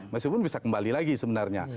meskipun bisa kembali lagi sebenarnya